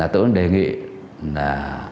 tôi đề nghị là